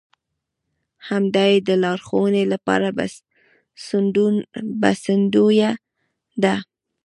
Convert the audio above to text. همدا يې د لارښوونې لپاره بسندويه ده.